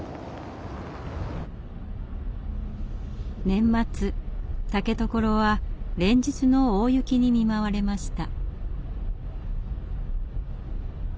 年末竹所は連日の大雪に見舞われました。